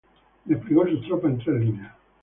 Desplegó sus tropas en tres líneas.